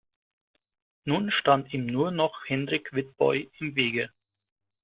Nun stand ihm nur noch Hendrik Witbooi im Wege.